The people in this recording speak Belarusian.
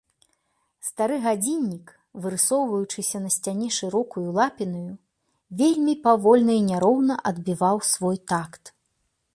Стары гадзіннік, вырысоўваючыся на сцяне шырокаю лапінаю, вельмі павольна і няроўна адбіваў свой такт.